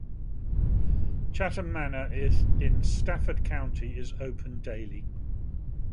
Chatham Manor in Stafford County is open daily.